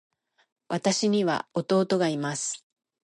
私には弟がいます。